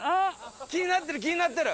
気になってる気になってる。